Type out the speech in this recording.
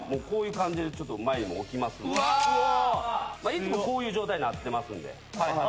いつもこういう状態になってますんで。